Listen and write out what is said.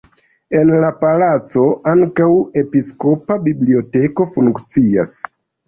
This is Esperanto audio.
En la palaco ankaŭ episkopa biblioteko funkcias.